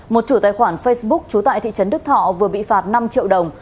một chủ tài khoản facebook trú tại thị trấn đức thọ vừa bị phạt năm triệu đồng